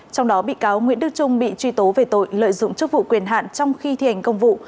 trong đó bị cáo nguyễn đức trung bị truy tố về tội lợi dụng chức vụ quyền hạn trong khi thi hành công vụ